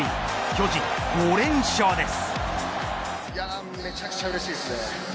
巨人５連勝です。